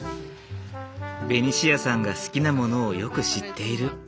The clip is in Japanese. ベニシアさんが好きなものをよく知っている。